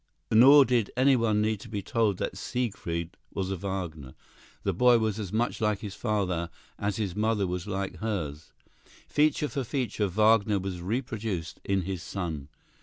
Nor did any one need to be told that Siegfried was a Wagner. The boy was as much like his father as his mother was like hers. Feature for feature, Wagner was reproduced in his son.